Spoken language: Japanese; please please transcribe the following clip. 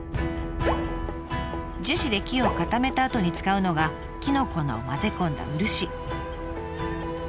樹脂で木を固めたあとに使うのが木の粉を混ぜ込んだ漆。